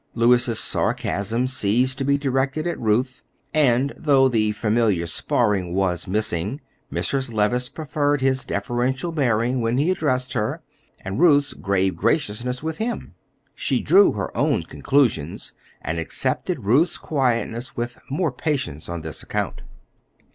Louis's sarcasm ceased to be directed at Ruth; and though the familiar sparring was missing, Mrs. Levice preferred his deferential bearing when he addressed her, and Ruth's grave graciousness with him. She drew her own conclusions, and accepted Ruth's quietness with more patience on this account.